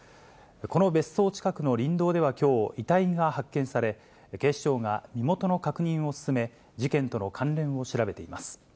この別荘近くの林道ではきょう、遺体が発見され、警視庁が身元の確認を進め、事件との関連を調べています。